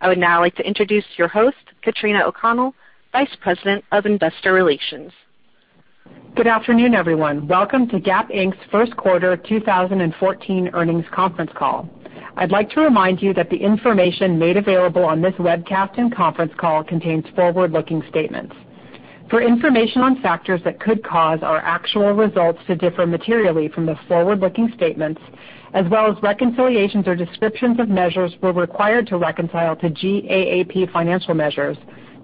I would now like to introduce your host, Katrina O'Connell, Vice President of Investor Relations. Good afternoon, everyone. Welcome to Gap Inc.'s first quarter 2014 earnings conference call. I'd like to remind you that the information made available on this webcast and conference call contains forward-looking statements. For information on factors that could cause our actual results to differ materially from the forward-looking statements, as well as reconciliations or descriptions of measures we're required to reconcile to GAAP financial measures,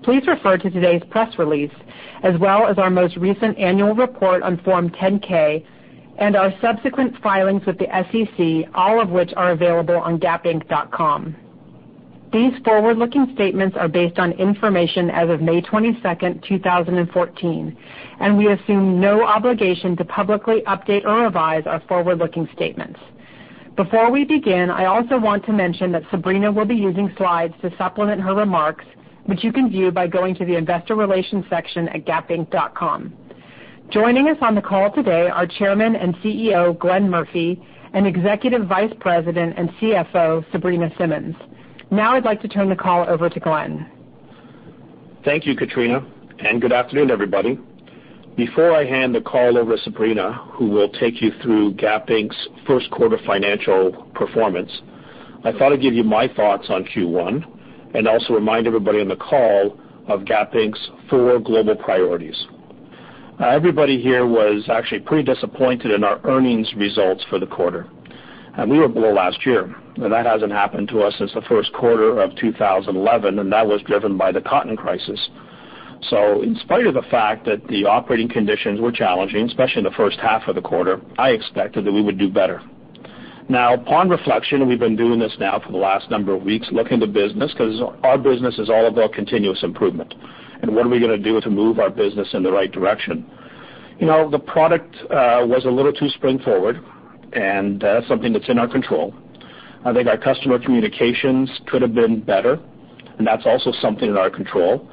please refer to today's press release, as well as our most recent annual report on Form 10-K and our subsequent filings with the SEC, all of which are available on gapinc.com. These forward-looking statements are based on information as of May 22nd, 2014, and we assume no obligation to publicly update or revise our forward-looking statements. Before we begin, I also want to mention that Sabrina will be using slides to supplement her remarks, which you can view by going to the investor relations section at gapinc.com. Joining us on the call today are Chairman and CEO, Glenn Murphy, and Executive Vice President and CFO, Sabrina Simmons. I'd like to turn the call over to Glenn. Thank you, Katrina, and good afternoon, everybody. Before I hand the call over to Sabrina, who will take you through Gap Inc.'s first quarter financial performance, I thought I'd give you my thoughts on Q1 and also remind everybody on the call of Gap Inc.'s four global priorities. Everybody here was actually pretty disappointed in our earnings results for the quarter. We were below last year, and that hasn't happened to us since the first quarter of 2011, and that was driven by the cotton crisis. In spite of the fact that the operating conditions were challenging, especially in the first half of the quarter, I expected that we would do better. Upon reflection, we've been doing this now for the last number of weeks, looking at the business, because our business is all about continuous improvement and what are we going to do to move our business in the right direction. The product was a little too spring forward, and that's something that's in our control. I think our customer communications could have been better, and that's also something in our control.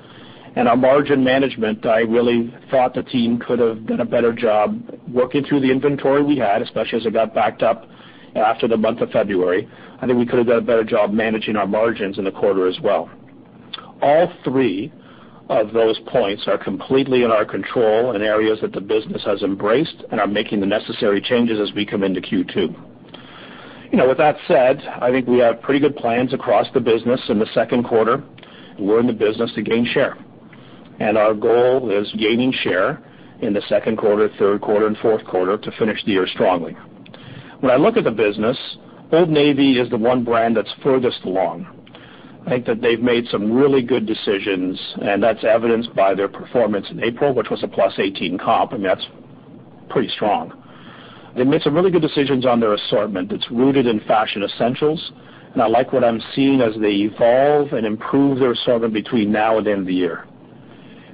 Our margin management, I really thought the team could have done a better job working through the inventory we had, especially as it got backed up after the month of February. I think we could have done a better job managing our margins in the quarter as well. All three of those points are completely in our control and areas that the business has embraced and are making the necessary changes as we come into Q2. With that said, I think we have pretty good plans across the business in the second quarter. We're in the business to gain share, and our goal is gaining share in the second quarter, third quarter, and fourth quarter to finish the year strongly. When I look at the business, Old Navy is the one brand that's furthest along. I think that they've made some really good decisions, and that's evidenced by their performance in April, which was a +18 comp. I mean, that's pretty strong. They made some really good decisions on their assortment. It's rooted in fashion essentials, and I like what I'm seeing as they evolve and improve their assortment between now and the end of the year.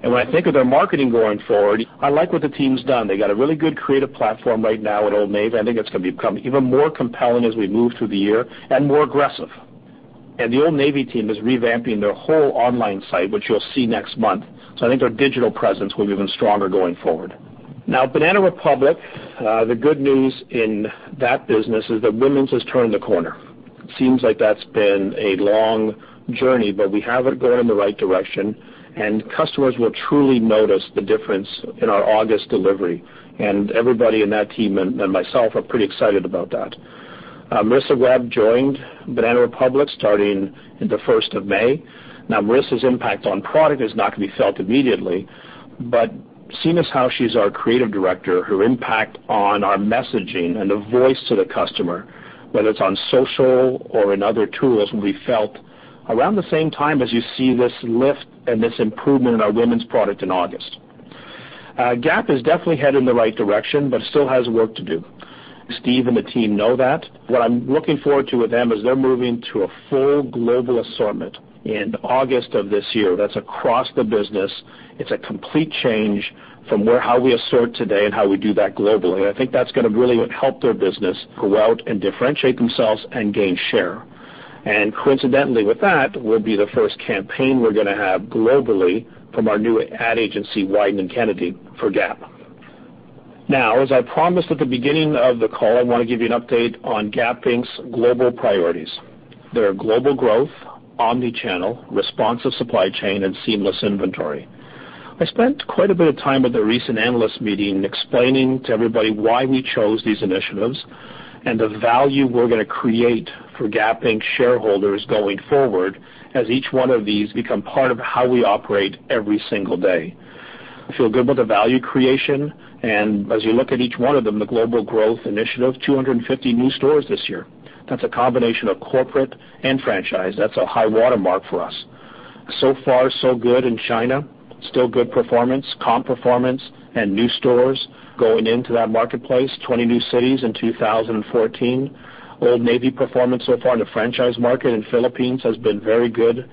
When I think of their marketing going forward, I like what the team's done. They got a really good creative platform right now at Old Navy. I think it's going to become even more compelling as we move through the year and more aggressive. The Old Navy team is revamping their whole online site, which you'll see next month. I think their digital presence will be even stronger going forward. Banana Republic, the good news in that business is that women's has turned the corner. Seems like that's been a long journey, but we have it going in the right direction, and customers will truly notice the difference in our August delivery. Everybody in that team and myself are pretty excited about that. Marissa Webb joined Banana Republic starting in the 1st of May. Marissa's impact on product is not going to be felt immediately, but seeing as how she's our creative director, her impact on our messaging and the voice to the customer, whether it's on social or in other tools, will be felt around the same time as you see this lift and this improvement in our women's product in August. Gap is definitely headed in the right direction but still has work to do. Steve and the team know that. What I'm looking forward to with them is they're moving to a full global assortment in August of this year. That's across the business. It's a complete change from how we assort today and how we do that globally. I think that's going to really help their business go out and differentiate themselves and gain share. Coincidentally, with that will be the first campaign we're going to have globally from our new ad agency, Wieden+Kennedy, for Gap. As I promised at the beginning of the call, I want to give you an update on Gap Inc.'s global priorities. They are global growth, omni-channel, responsive supply chain, and seamless inventory. I spent quite a bit of time at the recent analyst meeting explaining to everybody why we chose these initiatives and the value we're going to create for Gap Inc. shareholders going forward as each one of these become part of how we operate every single day. I feel good about the value creation, and as you look at each one of them, the global growth initiative, 250 new stores this year. That's a combination of corporate and franchise. That's a high watermark for us. So far, so good in China. Still good performance, comp performance, and new stores going into that marketplace. 20 new cities in 2014. Old Navy performance so far in the franchise market in Philippines has been very good.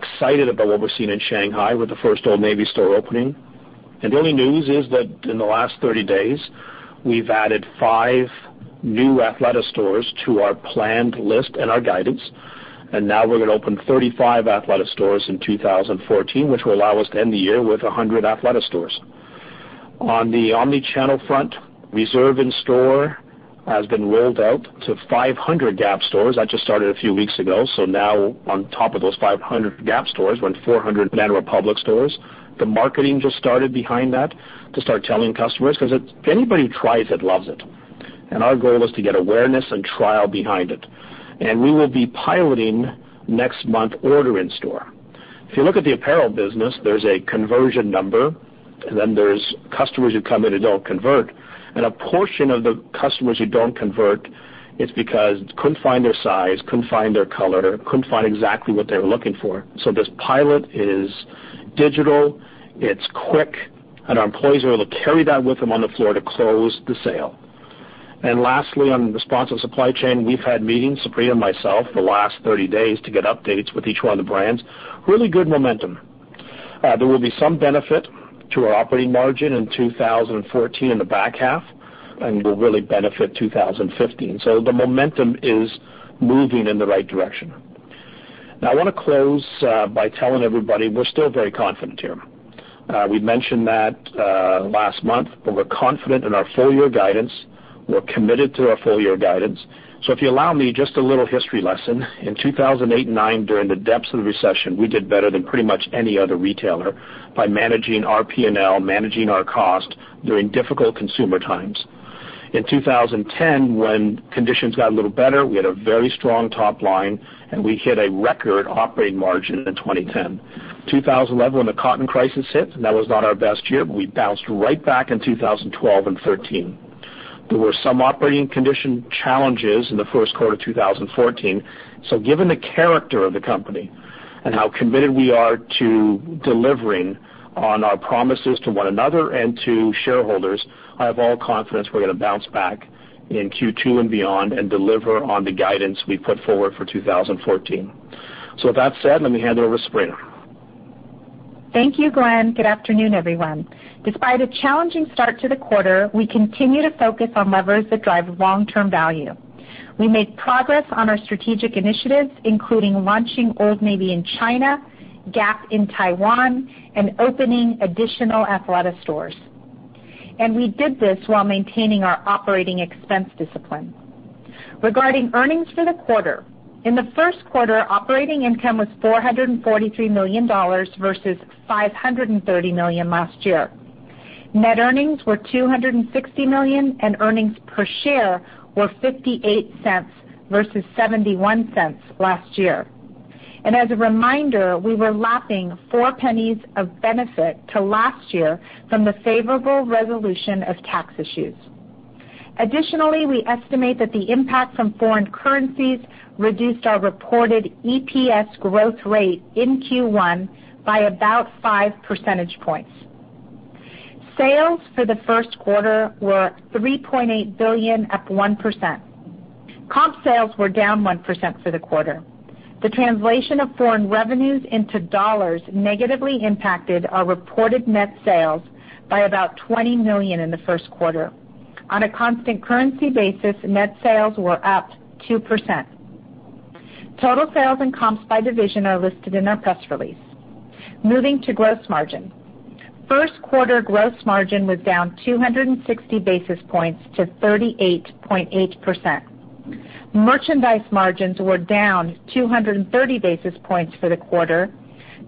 Excited about what we're seeing in Shanghai with the first Old Navy store opening. The only news is that in the last 30 days, we've added five new Athleta stores to our planned list and our guidance, and now we're going to open 35 Athleta stores in 2014, which will allow us to end the year with 100 Athleta stores. On the omni-channel front, Reserve in Store has been rolled out to 500 Gap stores. That just started a few weeks ago. On top of those 500 Gap stores, we're in 400 Banana Republic stores. The marketing just started behind that to start telling customers, because anybody who tries it loves it, and our goal is to get awareness and trial behind it. We will be piloting next month Order in Store. If you look at the apparel business, there's a conversion number, and then there's customers who come in and don't convert. A portion of the customers who don't convert, it's because couldn't find their size, couldn't find their color, couldn't find exactly what they were looking for. This pilot is digital, it's quick, and our employees are able to carry that with them on the floor to close the sale. Lastly, on responsive supply chain, we've had meetings, Sabrina and myself, the last 30 days to get updates with each one of the brands. Really good momentum. There will be some benefit to our operating margin in 2014 in the back half, and will really benefit 2015. The momentum is moving in the right direction. Now, I want to close by telling everybody we're still very confident here. We mentioned that last month, but we're confident in our full year guidance. We're committed to our full year guidance. If you allow me just a little history lesson. In 2008 and 2009, during the depths of the recession, we did better than pretty much any other retailer by managing our P&L, managing our cost during difficult consumer times. In 2010, when conditions got a little better, we had a very strong top line, and we hit a record operating margin in 2010. 2011, when the cotton crisis hit, and that was not our best year, but we bounced right back in 2012 and 2013. There were some operating condition challenges in the first quarter of 2014. Given the character of the company and how committed we are to delivering on our promises to one another and to shareholders, I have all confidence we're going to bounce back in Q2 and beyond and deliver on the guidance we put forward for 2014. With that said, let me hand it over to Sabrina. Thank you, Glenn. Good afternoon, everyone. Despite a challenging start to the quarter, we continue to focus on levers that drive long-term value. We made progress on our strategic initiatives, including launching Old Navy in China, Gap in Taiwan, and opening additional Athleta stores. We did this while maintaining our operating expense discipline. Regarding earnings for the quarter, in the first quarter, operating income was $443 million versus $530 million last year. Net earnings were $260 million, and earnings per share were $0.58 versus $0.71 last year. As a reminder, we were lapping $0.04 of benefit to last year from the favorable resolution of tax issues. Additionally, we estimate that the impact from foreign currencies reduced our reported EPS growth rate in Q1 by about five percentage points. Sales for the first quarter were $3.8 billion, up 1%. Comp sales were down 1% for the quarter. The translation of foreign revenues into dollars negatively impacted our reported net sales by about $20 million in the first quarter. On a constant currency basis, net sales were up 2%. Total sales and comps by division are listed in our press release. Moving to gross margin. First quarter gross margin was down 260 basis points to 38.8%. Merchandise margins were down 230 basis points for the quarter,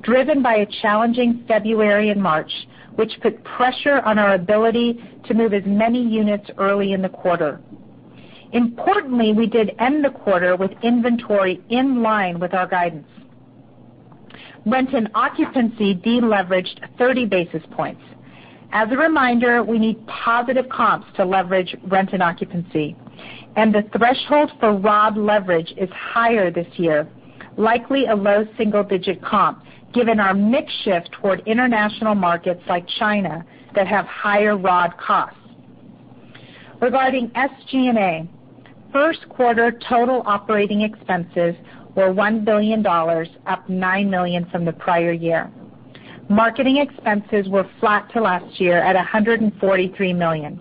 driven by a challenging February and March, which put pressure on our ability to move as many units early in the quarter. Importantly, we did end the quarter with inventory in line with our guidance. Rent and occupancy deleveraged 30 basis points. As a reminder, we need positive comps to leverage rent and occupancy, and the threshold for ROD leverage is higher this year, likely a low single-digit comp, given our mix shift toward international markets like China that have higher ROD costs. Regarding SG&A, first quarter total operating expenses were $1 billion, up $9 million from the prior year. Marketing expenses were flat to last year at $143 million.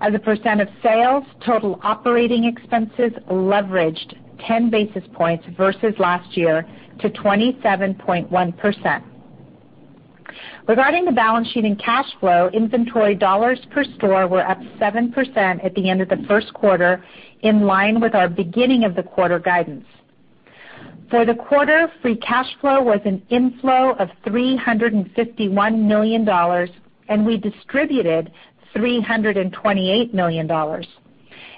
As a percent of sales, total operating expenses leveraged 10 basis points versus last year to 27.1%. Regarding the balance sheet and cash flow, inventory dollars per store were up 7% at the end of the first quarter, in line with our beginning of the quarter guidance. For the quarter, free cash flow was an inflow of $351 million, and we distributed $328 million.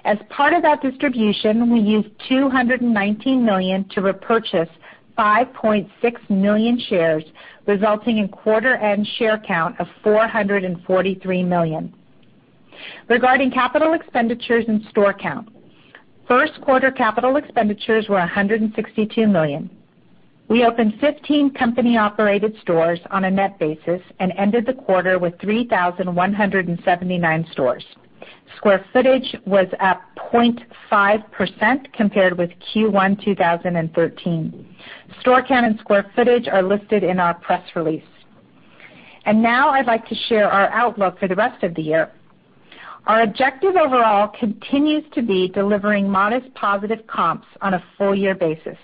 As part of that distribution, we used $219 million to repurchase 5.6 million shares, resulting in quarter-end share count of 443 million. Regarding capital expenditures and store count, first quarter capital expenditures were $162 million. We opened 15 company-operated stores on a net basis and ended the quarter with 3,179 stores. Square footage was up 0.5% compared with Q1 2013. Store count and square footage are listed in our press release. Now I'd like to share our outlook for the rest of the year. Our objective overall continues to be delivering modest positive comps on a full year basis.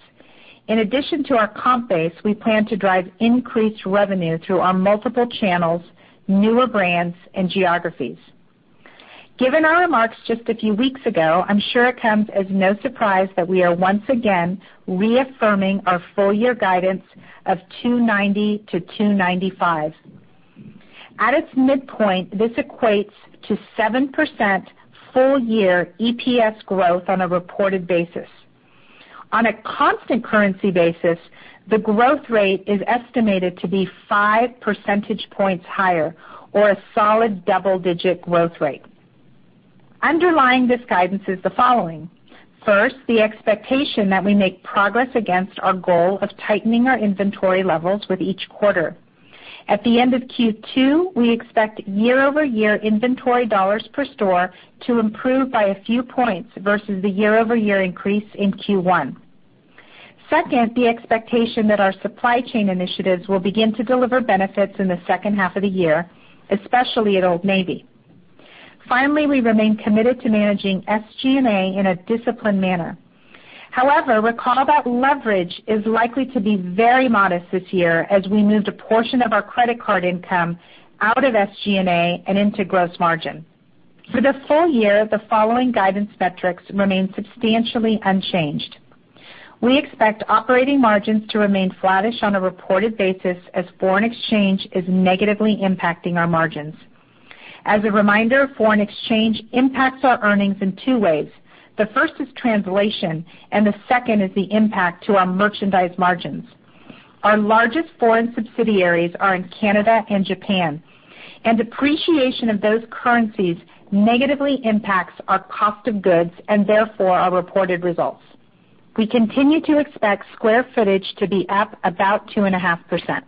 In addition to our comp base, we plan to drive increased revenue through our multiple channels, newer brands, and geographies. Given our remarks just a few weeks ago, I'm sure it comes as no surprise that we are once again reaffirming our full year guidance of $2.90-$2.95. At its midpoint, this equates to 7% full year EPS growth on a reported basis. On a constant currency basis, the growth rate is estimated to be five percentage points higher, or a solid double digit growth rate. Underlying this guidance is the following. First, the expectation that we make progress against our goal of tightening our inventory levels with each quarter. At the end of Q2, we expect year-over-year inventory dollars per store to improve by a few points versus the year-over-year increase in Q1. Second, the expectation that our supply chain initiatives will begin to deliver benefits in the second half of the year, especially at Old Navy. Finally, we remain committed to managing SG&A in a disciplined manner. However, recall that leverage is likely to be very modest this year as we moved a portion of our credit card income out of SG&A and into gross margin. For the full year, the following guidance metrics remain substantially unchanged. We expect operating margins to remain flattish on a reported basis as foreign exchange is negatively impacting our margins. As a reminder, foreign exchange impacts our earnings in two ways. The first is translation, and the second is the impact to our merchandise margins. Our largest foreign subsidiaries are in Canada and Japan, and depreciation of those currencies negatively impacts our cost of goods and therefore our reported results. We continue to expect square footage to be up about 2.5%.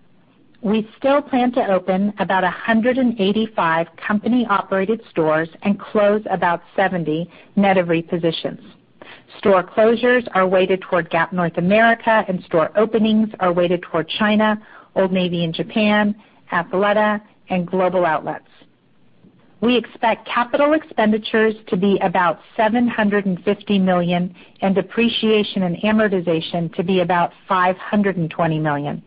We still plan to open about 185 company-operated stores and close about 70 net of repositions. Store closures are weighted toward Gap North America, and store openings are weighted toward China, Old Navy in Japan, Athleta, and global outlets. We expect capital expenditures to be about $750 million and depreciation and amortization to be about $520 million.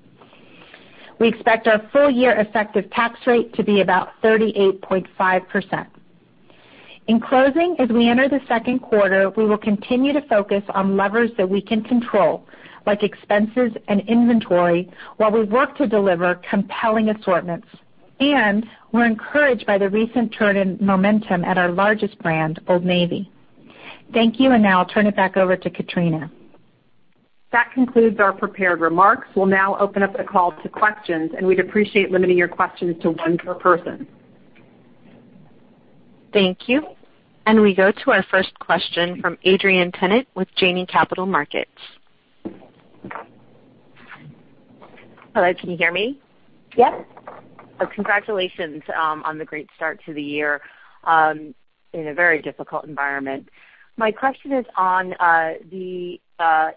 We expect our full year effective tax rate to be about 38.5%. In closing, as we enter the second quarter, we will continue to focus on levers that we can control, like expenses and inventory, while we work to deliver compelling assortments. We're encouraged by the recent turn in momentum at our largest brand, Old Navy. Thank you. Now I'll turn it back over to Katrina. That concludes our prepared remarks. We'll now open up the call to questions, we'd appreciate limiting your questions to one per person. Thank you. We go to our first question from Adrienne Yih-Tennant with Janney Montgomery Scott. Hello, can you hear me? Yes. Congratulations on the great start to the year in a very difficult environment. My question is on the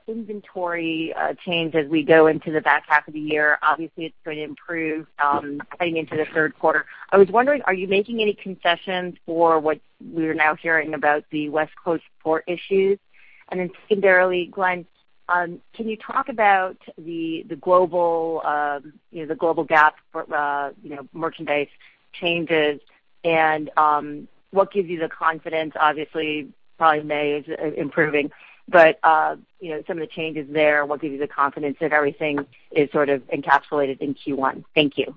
inventory change as we go into the back half of the year. Obviously, it's going to improve heading into the third quarter. I was wondering, are you making any concessions for what we are now hearing about the West Coast port issues? Secondarily, Glenn, can you talk about the global Gap merchandise changes and what gives you the confidence, obviously, probably May is improving, but some of the changes there, what gives you the confidence that everything is sort of encapsulated in Q1? Thank you.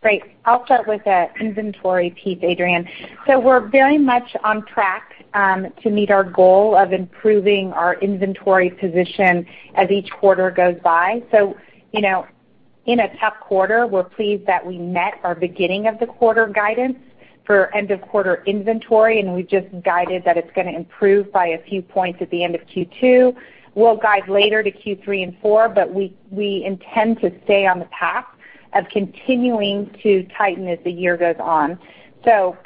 Great. I'll start with the inventory piece, Adrienne. We're very much on track to meet our goal of improving our inventory position as each quarter goes by. In a tough quarter, we're pleased that we met our beginning of the quarter guidance for end of quarter inventory, and we've just guided that it's going to improve by a few points at the end of Q2. We'll guide later to Q3 and 4, but we intend to stay on the path of continuing to tighten as the year goes on.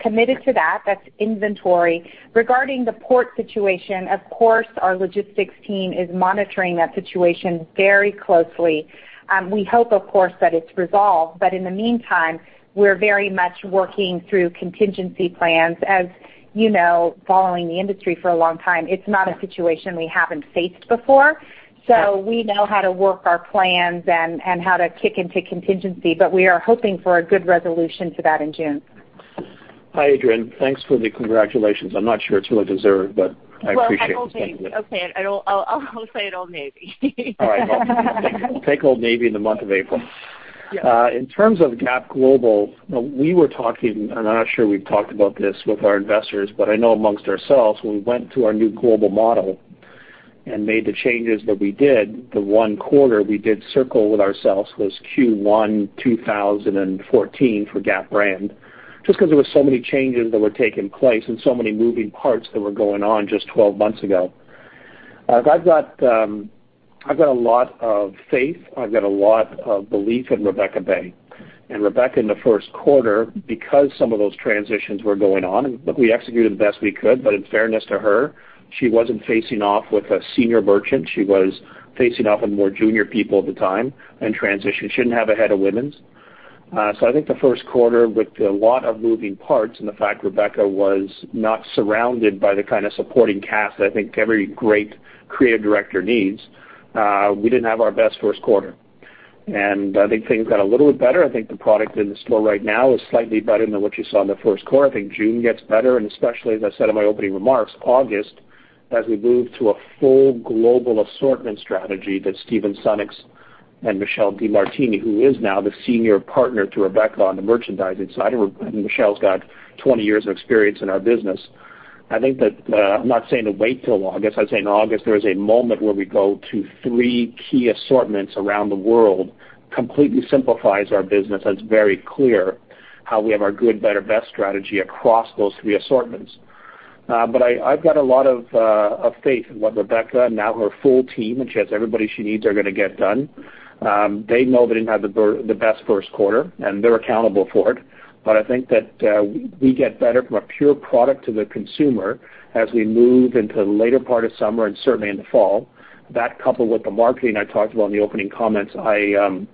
Committed to that's inventory. Regarding the port situation, of course, our logistics team is monitoring that situation very closely. We hope, of course, that it's resolved, but in the meantime, we're very much working through contingency plans. As you know, following the industry for a long time, it's not a situation we haven't faced before. We know how to work our plans and how to kick into contingency. We are hoping for a good resolution to that in June. Hi, Adrienne. Thanks for the congratulations. I'm not sure it's really deserved, but I appreciate it. Well, at Old Navy. Okay. I'll say at Old Navy. All right. Well, take Old Navy in the month of April. Yeah. In terms of Gap Global, we were talking, I'm not sure we've talked about this with our investors, but I know amongst ourselves, when we went to our new global model and made the changes that we did, the one quarter we did circle with ourselves was Q1 2014 for Gap brand, just because there were so many changes that were taking place and so many moving parts that were going on just 12 months ago. I've got a lot of faith, I've got a lot of belief in Rebekka Bay. Rebekka, in the first quarter, because some of those transitions were going on, and look, we executed the best we could, but in fairness to her, she wasn't facing off with a senior merchant. She was facing off with more junior people at the time and transition. She didn't have a head of women's. I think the first quarter, with a lot of moving parts and the fact Rebekka was not surrounded by the kind of supporting cast I think every great creative director needs, we didn't have our best first quarter. I think things got a little bit better. I think the product in the store right now is slightly better than what you saw in the first quarter. I think June gets better, and especially as I said in my opening remarks, August, as we move to a full global assortment strategy that Stephen Sunnucks and Michelle DeMartini, who is now the senior partner to Rebekka on the merchandising side. Michelle's got 20 years of experience in our business. I'm not saying to wait till August. I'm saying August, there is a moment where we go to three key assortments around the world. Completely simplifies our business, and it's very clear how we have our good, better, best strategy across those three assortments. I've got a lot of faith in what Rebekka and now her full team, and she has everybody she needs, are going to get done. They know they didn't have the best first quarter, and they're accountable for it. I think that we get better from a pure product to the consumer as we move into the later part of summer and certainly in the fall. That coupled with the marketing I talked about in the opening comments, I'm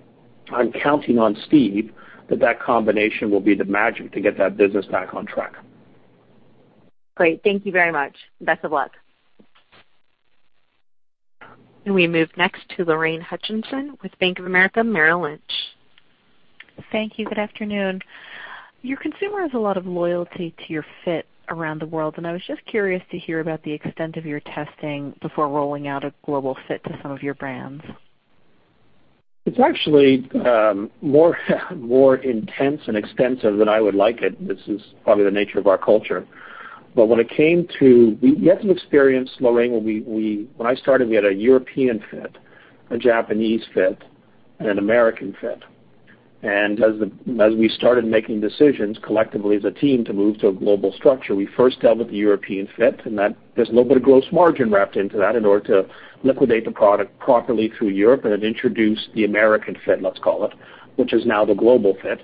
counting on Steve that that combination will be the magic to get that business back on track. Great. Thank you very much. Best of luck. We move next to Lorraine Hutchinson with Bank of America Merrill Lynch. Thank you. Good afternoon. Your consumer has a lot of loyalty to your fit around the world, and I was just curious to hear about the extent of your testing before rolling out a global fit to some of your brands. It's actually more intense and extensive than I would like it. This is probably the nature of our culture. You have to experience, Lorraine, when I started, we had a European fit, a Japanese fit, and an American fit. As we started making decisions collectively as a team to move to a global structure, we first dealt with the European fit, and there's a little bit of gross margin wrapped into that in order to liquidate the product properly through Europe and then introduce the American fit, let's call it, which is now the global fit.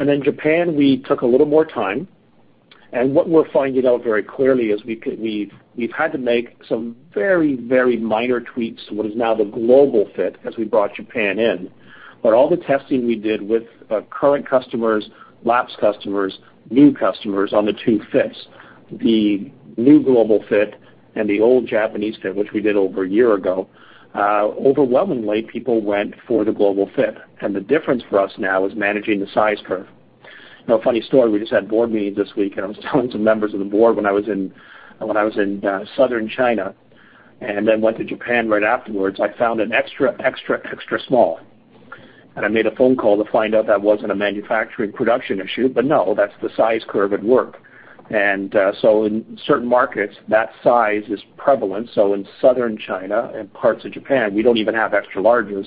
In Japan, we took a little more time. What we're finding out very clearly is we've had to make some very minor tweaks to what is now the global fit as we brought Japan in. All the testing we did with current customers, lapsed customers, new customers on the two fits, the new global fit and the old Japanese fit, which we did over a year ago, overwhelmingly, people went for the global fit. The difference for us now is managing the size curve. Now, a funny story, we just had a board meeting this week, and I was telling some members of the board when I was in southern China and then went to Japan right afterwards, I found an extra small. I made a phone call to find out that wasn't a manufacturing production issue, but no, that's the size curve at work. In certain markets, that size is prevalent. In southern China and parts of Japan, we don't even have extra larges.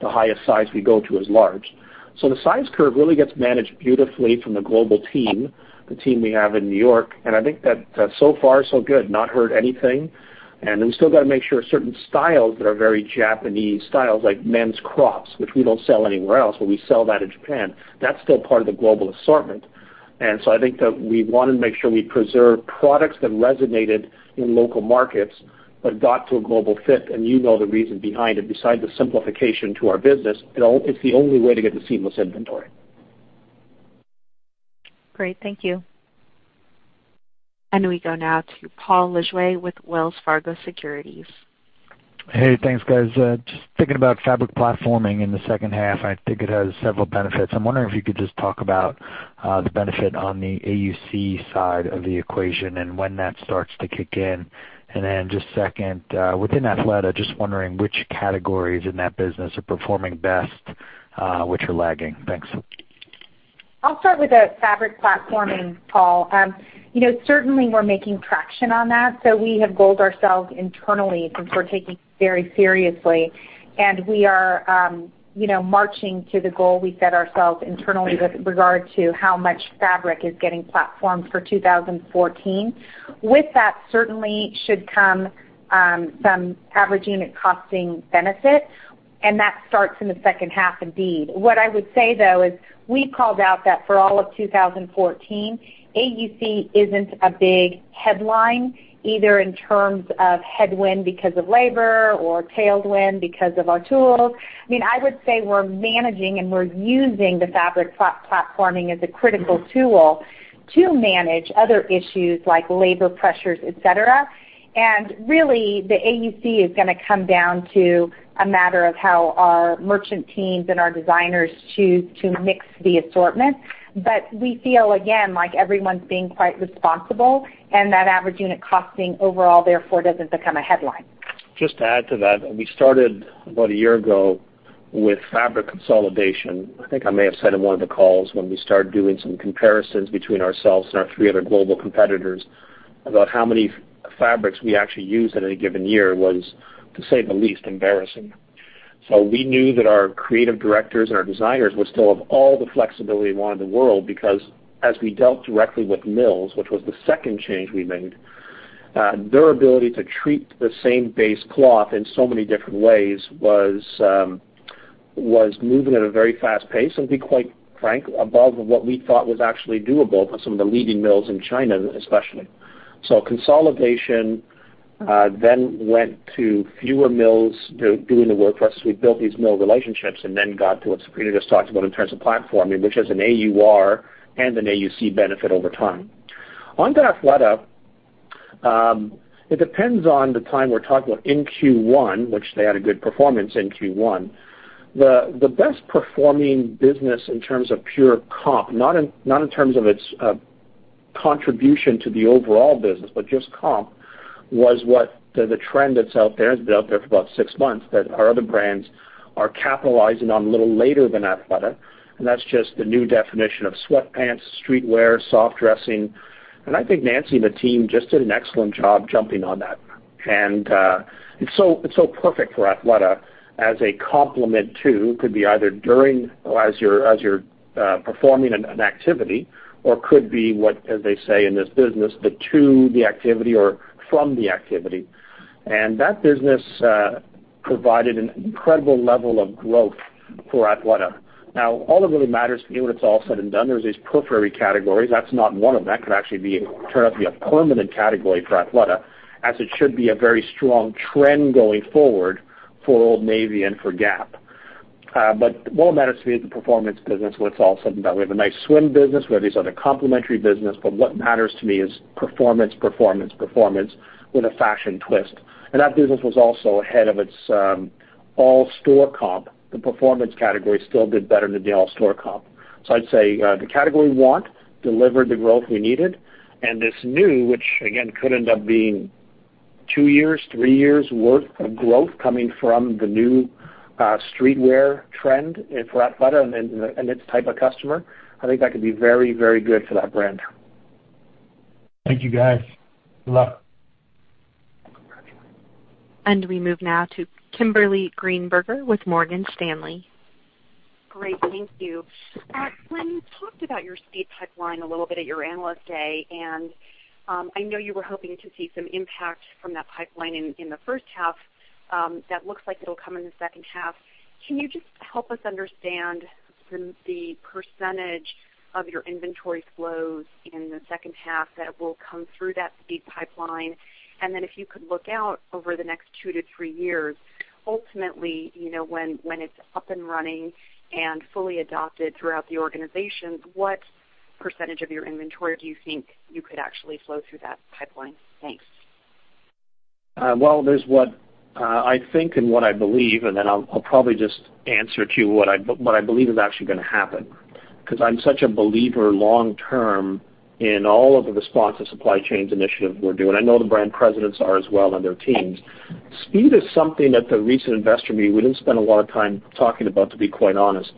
The highest size we go to is large. The size curve really gets managed beautifully from the global team, the team we have in N.Y., and I think that so far so good. Not heard anything. We still got to make sure certain styles that are very Japanese styles, like men's crops, which we don't sell anywhere else, but we sell that in Japan. That's still part of the global assortment. I think that we want to make sure we preserve products that resonated in local markets but got to a global fit. You know the reason behind it. Besides the simplification to our business, it's the only way to get the seamless inventory. Great. Thank you. We go now to Paul Lejuez with Wells Fargo Securities. Hey, thanks, guys. Just thinking about fabric platforming in the second half. I think it has several benefits. I'm wondering if you could just talk about the benefit on the AUC side of the equation and when that starts to kick in. Just second, within Athleta, just wondering which categories in that business are performing best, which are lagging. Thanks. I'll start with the fabric platforming, Paul. Certainly, we're making traction on that. We have goaled ourselves internally since we're taking it very seriously, and we are marching to the goal we set ourselves internally with regard to how much fabric is getting platformed for 2014. With that certainly should come some averaging and costing benefit, and that starts in the second half indeed. What I would say, though, is we've called out that for all of 2014, AUC isn't a big headline either in terms of headwind because of labor or tailwind because of our tools. I would say we're managing and we're using the fabric platforming as a critical tool to manage other issues like labor pressures, et cetera. Really, the AUC is going to come down to a matter of how our merchant teams and our designers choose to mix the assortment. We feel, again, like everyone's being quite responsible, and that average unit costing overall therefore doesn't become a headline. Just to add to that, we started about a year ago with fabric consolidation. I think I may have said in one of the calls when we started doing some comparisons between ourselves and our three other global competitors about how many fabrics we actually use in any given year was, to say the least, embarrassing. We knew that our creative directors and our designers would still have all the flexibility they want in the world because as we dealt directly with mills, which was the second change we made, their ability to treat the same base cloth in so many different ways was moving at a very fast pace, and to be quite frank, above what we thought was actually doable for some of the leading mills in China, especially. Consolidation Then went to fewer mills doing the work for us. We built these mill relationships and then got to what Sabrina just talked about in terms of platforming, which has an AUR and an AUC benefit over time. On Athleta, it depends on the time we're talking about. In Q1, which they had a good performance in Q1, the best-performing business in terms of pure comp, not in terms of its contribution to the overall business, but just comp, was what the trend that's out there, and it's been out there for about six months, that our other brands are capitalizing on a little later than Athleta, and that's just the new definition of sweatpants, streetwear, soft dressing. I think Nancy and the team just did an excellent job jumping on that. It's so perfect for Athleta as a complement to, could be either during or as you're performing an activity or could be what, as they say in this business, the to the activity or from the activity. That business provided an incredible level of growth for Athleta. Now, all that really matters to me when it's all said and done, there's these periphery categories. That's not one of them. That could actually turn out to be a permanent category for Athleta, as it should be a very strong trend going forward for Old Navy and for Gap. What matters to me is the performance business, when it's all said and done. We have a nice swim business. We have these other complementary business. What matters to me is performance, performance with a fashion twist. That business was also ahead of its all store comp. The performance category still did better than the all store comp. I'd say the category we want delivered the growth we needed. This new, which again, could end up being two years, three years worth of growth coming from the new streetwear trend for Athleta and its type of customer. I think that could be very, very good for that brand. Thank you, guys. Good luck. We move now to Kimberly Greenberger with Morgan Stanley. Great. Thank you. When you talked about your speed pipeline a little bit at your Analyst Day, I know you were hoping to see some impact from that pipeline in the first half. That looks like it'll come in the second half. Can you just help us understand the % of your inventory flows in the second half that will come through that speed pipeline? Then if you could look out over the next two to three years, ultimately, when it's up and running and fully adopted throughout the organization, what % of your inventory do you think you could actually flow through that pipeline? Thanks. Well, there's what I think and what I believe, then I'll probably just answer to what I believe is actually going to happen because I'm such a believer long term in all of the responsive supply chain initiative we're doing. I know the brand presidents are as well on their teams. Speed is something at the recent investor meeting we didn't spend a lot of time talking about, to be quite honest.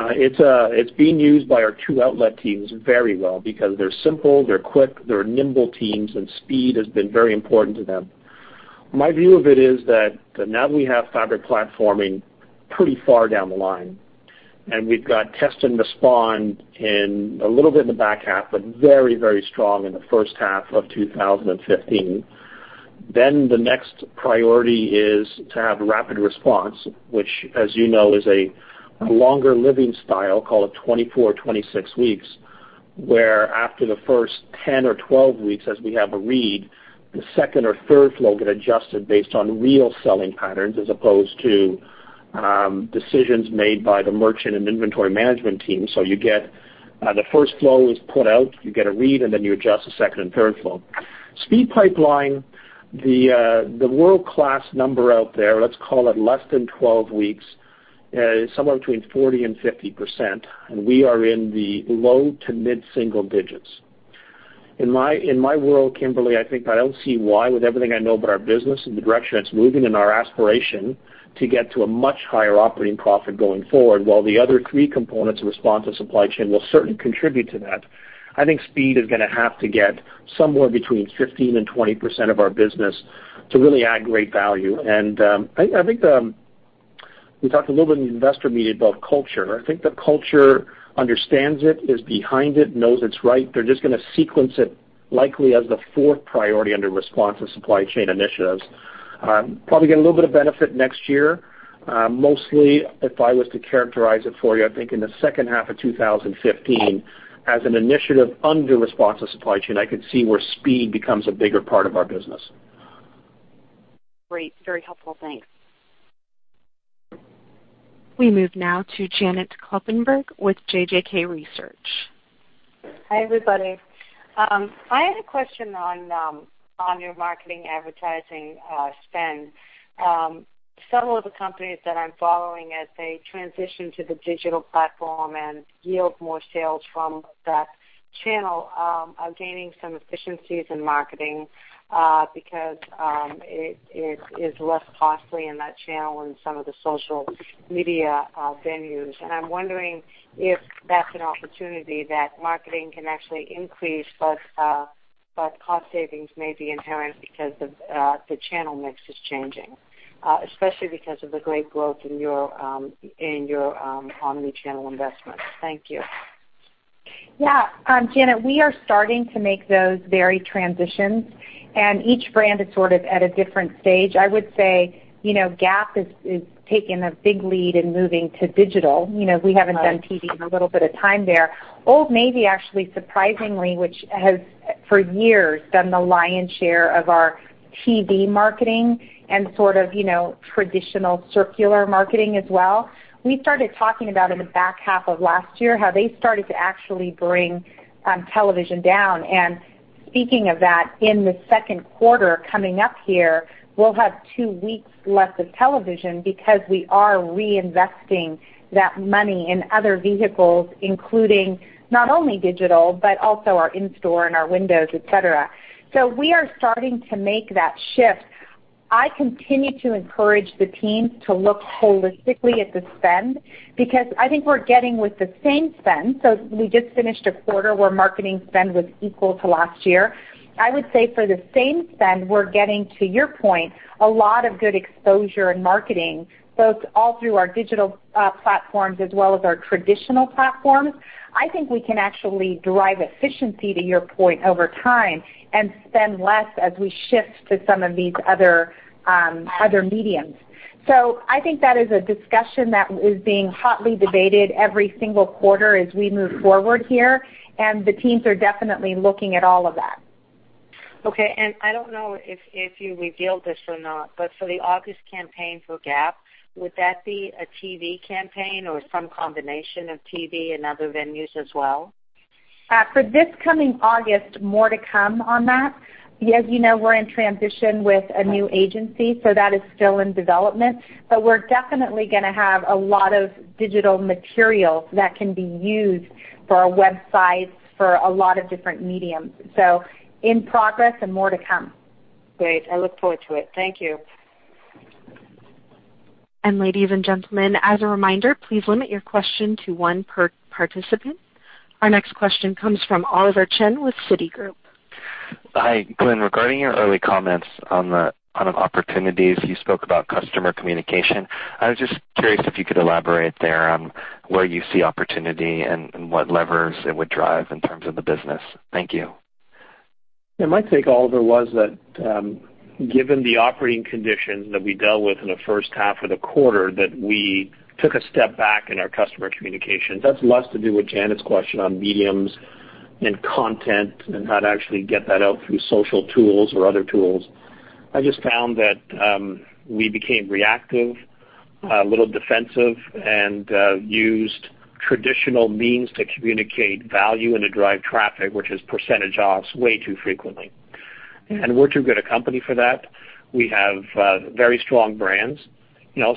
It's being used by our two outlet teams very well because they're simple, they're quick, they're nimble teams, speed has been very important to them. My view of it is that now that we have fabric platforming pretty far down the line, we've got test and respond in a little bit in the back half, but very strong in the first half of 2015. The next priority is to have rapid response, which as you know, is a longer living style, call it 24, 26 weeks, where after the first 10 or 12 weeks, as we have a read, the second or third flow get adjusted based on real selling patterns, as opposed to decisions made by the merchant and inventory management team. The first flow is put out, you get a read, then you adjust the second and third flow. Speed pipeline, the world-class number out there, let's call it less than 12 weeks, is somewhere between 40%-50%, we are in the low to mid-single digits. In my world, Kimberly, I think I don't see why, with everything I know about our business and the direction it's moving and our aspiration to get to a much higher operating profit going forward, while the other three components of responsive supply chain will certainly contribute to that. I think speed is going to have to get somewhere between 15% and 20% of our business to really add great value. I think we talked a little bit in the investor meeting about culture. I think the culture understands it, is behind it, knows it's right. They're just going to sequence it likely as the fourth priority under responsive supply chain initiatives. Probably get a little bit of benefit next year. Mostly, if I was to characterize it for you, I think in the second half of 2015, as an initiative under responsive supply chain, I could see where speed becomes a bigger part of our business. Great. Very helpful. Thanks. We move now to Janet Kloppenburg with JJK Research. Hi, everybody. I had a question on your marketing advertising spend. Some of the companies that I'm following as they transition to the digital platform and yield more sales from that channel are gaining some efficiencies in marketing because it is less costly in that channel and some of the social media venues. I'm wondering if that's an opportunity that marketing can actually increase, but cost savings may be inherent because the channel mix is changing, especially because of the great growth in your omni-channel investments. Thank you. Janet, we are starting to make those very transitions, and each brand is sort of at a different stage. I would say Gap has taken a big lead in moving to digital. We haven't done TV in a little bit of time there. Old Navy actually, surprisingly, which has for years done the lion's share of our TV marketing and traditional circular marketing as well. We started talking about in the back half of last year how they started to actually bring television down. Speaking of that, in the second quarter coming up here, we'll have two weeks less of television because we are reinvesting that money in other vehicles, including not only digital, but also our in-store and our windows, et cetera. We are starting to make that shift. I continue to encourage the teams to look holistically at the spend, because I think we're getting with the same spend. We just finished a quarter where marketing spend was equal to last year. I would say for the same spend, we're getting, to your point, a lot of good exposure in marketing, both all through our digital platforms as well as our traditional platforms. I think we can actually drive efficiency, to your point, over time and spend less as we shift to some of these other mediums. I think that is a discussion that is being hotly debated every single quarter as we move forward here, and the teams are definitely looking at all of that. Okay. I don't know if you revealed this or not, but for the August campaign for Gap, would that be a TV campaign or some combination of TV and other venues as well? For this coming August, more to come on that. As you know, we're in transition with a new agency, that is still in development. We're definitely going to have a lot of digital material that can be used for our websites for a lot of different mediums. In progress and more to come. Great. I look forward to it. Thank you. Ladies and gentlemen, as a reminder, please limit your question to one per participant. Our next question comes from Oliver Chen with Citigroup. Hi, Glenn. Regarding your early comments on opportunities, you spoke about customer communication. I was just curious if you could elaborate there on where you see opportunity and what levers it would drive in terms of the business. Thank you. Yeah, my take, Oliver, was that given the operating conditions that we dealt with in the first half of the quarter, that we took a step back in our customer communication. That's less to do with Janet's question on mediums and content and how to actually get that out through social tools or other tools. I just found that we became reactive, a little defensive, and used traditional means to communicate value and to drive traffic, which is percentage off way too frequently. We're too good a company for that. We have very strong brands.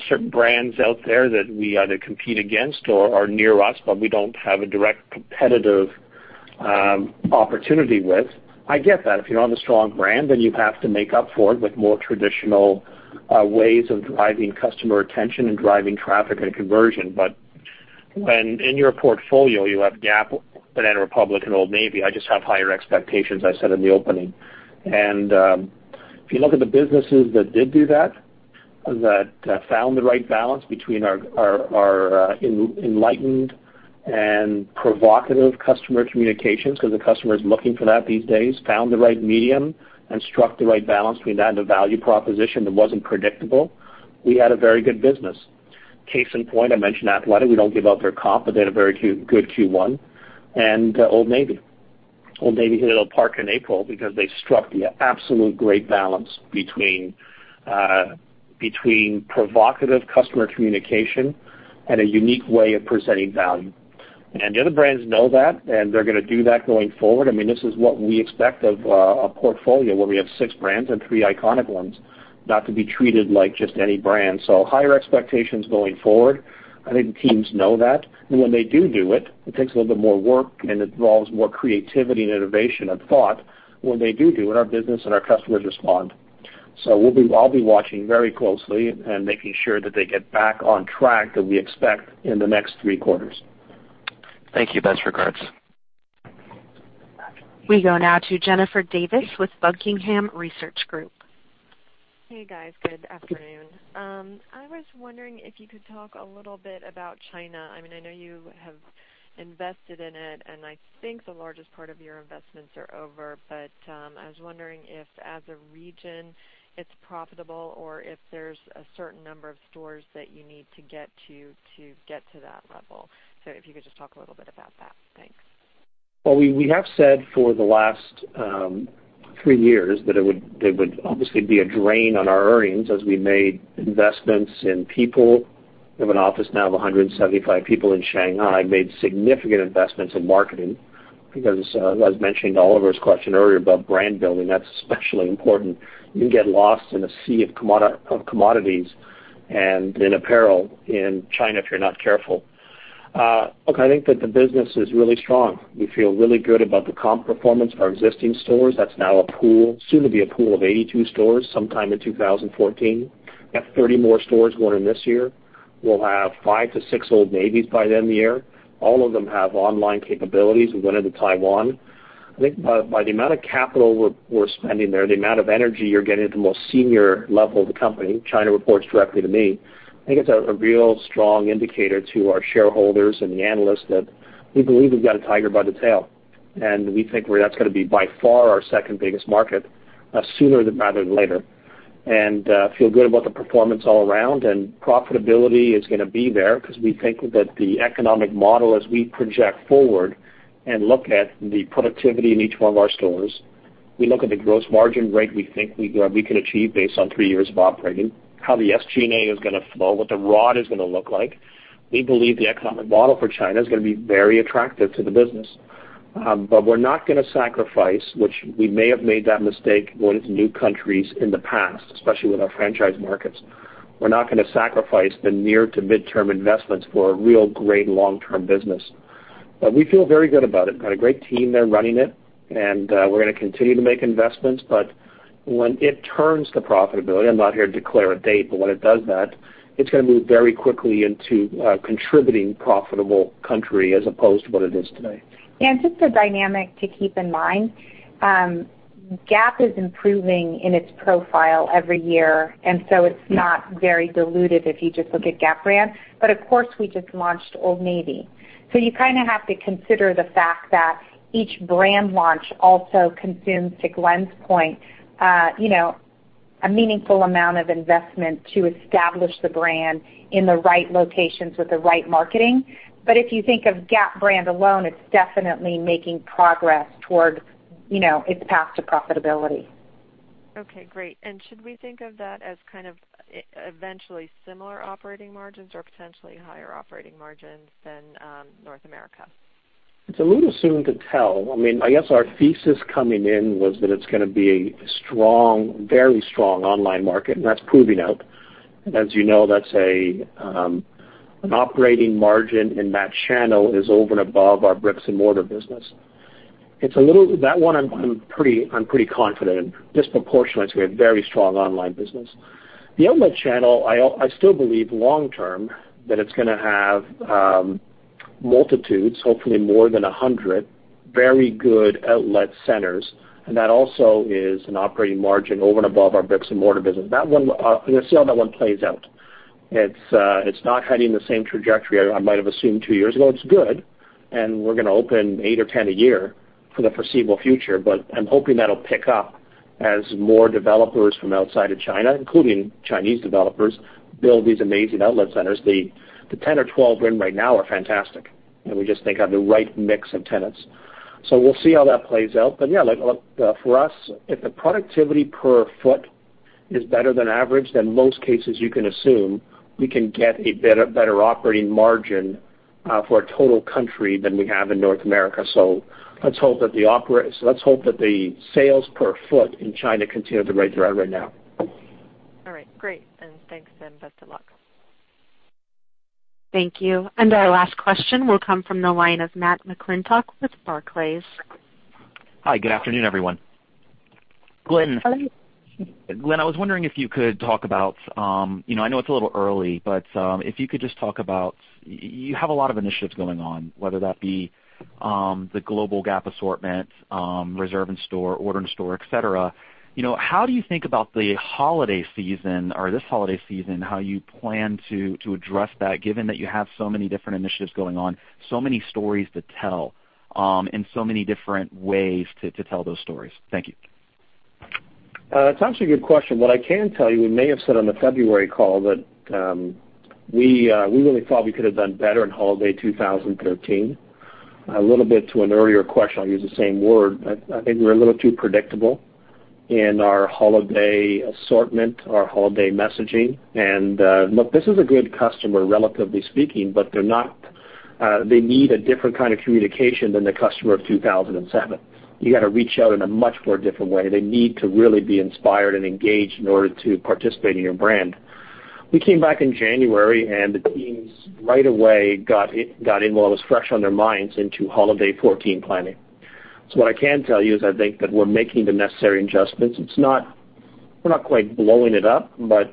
Certain brands out there that we either compete against or are near us, but we don't have a direct competitive opportunity with. I get that. If you don't have a strong brand, you have to make up for it with more traditional ways of driving customer attention and driving traffic and conversion. When in your portfolio you have Gap, Banana Republic and Old Navy, I just have higher expectations, I said in the opening. If you look at the businesses that did do that found the right balance between our enlightened and provocative customer communications because the customer's looking for that these days, found the right medium and struck the right balance between that and a value proposition that wasn't predictable, we had a very good business. Case in point, I mentioned Athleta. We don't give out their comp, but they had a very good Q1. Old Navy. Old Navy hit a park in April because they struck the absolute great balance between provocative customer communication and a unique way of presenting value. The other brands know that, and they're going to do that going forward. This is what we expect of a portfolio where we have six brands and three iconic ones, not to be treated like just any brand. Higher expectations going forward. I think the teams know that. When they do it takes a little bit more work, and it involves more creativity and innovation of thought. When they do it, our business and our customers respond. I'll be watching very closely and making sure that they get back on track that we expect in the next three quarters. Thank you. Best regards. We go now to Jennifer Davis with The Buckingham Research Group. Hey, guys. Good afternoon. I was wondering if you could talk a little bit about China. I know you have invested in it, and I think the largest part of your investments are over, but I was wondering if as a region it's profitable or if there's a certain number of stores that you need to get to get to that level. If you could just talk a little bit about that. Thanks. Well, we have said for the last three years that it would obviously be a drain on our earnings as we made investments in people. We have an office now of 175 people in Shanghai, made significant investments in marketing because as mentioned Oliver's question earlier about brand building, that's especially important. You can get lost in a sea of commodities and in apparel in China if you're not careful. Look, I think that the business is really strong. We feel really good about the comp performance of our existing stores. That's now soon to be a pool of 82 stores sometime in 2014. We have 30 more stores going in this year. We'll have five to six Old Navys by the end of the year. All of them have online capabilities. We went into Taiwan. I think by the amount of capital we're spending there, the amount of energy you're getting at the most senior level of the company, China reports directly to me. I think it's a real strong indicator to our shareholders and the analysts that we believe we've got a tiger by the tail, and we think that's going to be by far our second biggest market sooner rather than later. Feel good about the performance all around. Profitability is going to be there because we think that the economic model, as we project forward and look at the productivity in each one of our stores, we look at the gross margin rate we think we can achieve based on three years of operating, how the SG&A is going to flow, what the ROD is going to look like. We believe the economic model for China is going to be very attractive to the business. We're not going to sacrifice, which we may have made that mistake going into new countries in the past, especially with our franchise markets. We're not going to sacrifice the near to midterm investments for a real great long-term business. We feel very good about it. We've got a great team there running it, and we're going to continue to make investments, but when it turns to profitability, I'm not here to declare a date, but when it does that, it's going to move very quickly into a contributing profitable country as opposed to what it is today. Just a dynamic to keep in mind, Gap is improving in its profile every year, and so it's not very diluted if you just look at Gap brand. Of course, we just launched Old Navy. You kind of have to consider the fact that each brand launch also consumes, to Glenn's point, a meaningful amount of investment to establish the brand in the right locations with the right marketing. If you think of Gap brand alone, it's definitely making progress toward its path to profitability. Okay, great. Should we think of that as kind of eventually similar operating margins or potentially higher operating margins than North America? It's a little soon to tell. I guess our thesis coming in was that it's going to be a very strong online market, and that's proving out. As you know, that's an operating margin in that channel is over and above our bricks-and-mortar business. That one I'm pretty confident in. Disproportionately, we have very strong online business. The outlet channel, I still believe long-term that it's going to have multitudes, hopefully more than 100, very good outlet centers, and that also is an operating margin over and above our bricks-and-mortar business. We'll see how that one plays out. It's not heading the same trajectory I might have assumed two years ago. It's good. We're going to open 8 or 10 a year for the foreseeable future. I'm hoping that'll pick up as more developers from outside of China, including Chinese developers, build these amazing outlet centers. The 10 or 12 in right now are fantastic. We just think have the right mix of tenants. We'll see how that plays out. Yeah, for us, if the productivity per foot is better than average, then most cases you can assume we can get a better operating margin for a total country than we have in North America. Let's hope that the sales per foot in China continue at the rate they are right now. All right, great. Thanks and best of luck. Thank you. Our last question will come from the line of Matt McClintock with Barclays. Hi, good afternoon, everyone. Glenn, I know it's a little early, but if you could just talk about, you have a lot of initiatives going on, whether that be the global Gap assortment, Reserve in Store, Order in Store, et cetera. How do you think about this holiday season, how you plan to address that, given that you have so many different initiatives going on, so many stories to tell, and so many different ways to tell those stories? Thank you. It's actually a good question. What I can tell you, we may have said on the February call that we really thought we could have done better in holiday 2013. A little bit to an earlier question, I'll use the same word. I think we're a little too predictable in our holiday assortment, our holiday messaging. Look, this is a good customer, relatively speaking, but they need a different kind of communication than the customer of 2007. You got to reach out in a much more different way. They need to really be inspired and engaged in order to participate in your brand. We came back in January. The teams right away got in while it was fresh on their minds into holiday 2014 planning. What I can tell you is I think that we're making the necessary adjustments. We're not quite blowing it up, but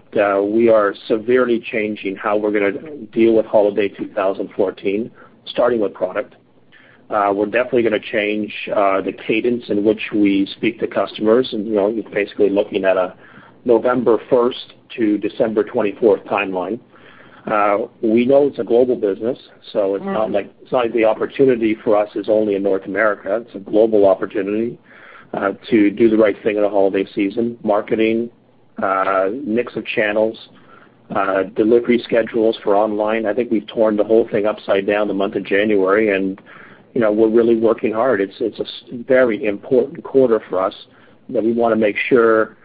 we are severely changing how we're going to deal with holiday 2014, starting with product. We're definitely going to change the cadence in which we speak to customers. You're basically looking at a November 1st to December 24th timeline. We know it's a global business, so it's not like the opportunity for us is only in Gap North America. It's a global opportunity to do the right thing in a holiday season, marketing, mix of channels, delivery schedules for online. I think we've torn the whole thing upside down the month of January. We're really working hard. It's a very important quarter for us that we want to make sure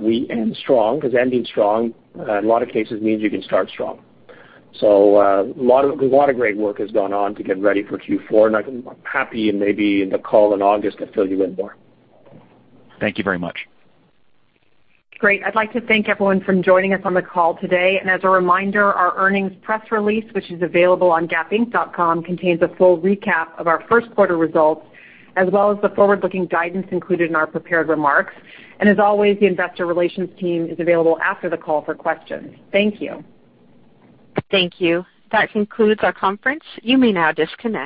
we end strong because ending strong in a lot of cases means you can start strong. A lot of great work has gone on to get ready for Q4. I'd be happy. Maybe in the call in August, I fill you in more. Thank you very much. Great. I'd like to thank everyone for joining us on the call today. As a reminder, our earnings press release, which is available on gapinc.com, contains a full recap of our first quarter results, as well as the forward-looking guidance included in our prepared remarks. As always, the investor relations team is available after the call for questions. Thank you. Thank you. That concludes our conference. You may now disconnect.